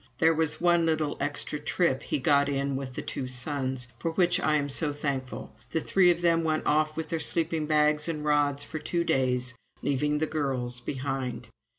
There was one little extra trip he got in with the two sons, for which I am so thankful. The three of them went off with their sleeping bags and rods for two days, leaving "the girls" behind.